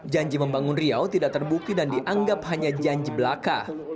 janji membangun riau tidak terbukti dan dianggap hanya janji belaka